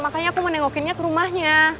makanya aku menengokinnya ke rumahnya